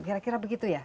kira kira begitu ya